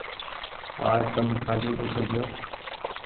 آج تم کآلي ٻيٺي ڇو۔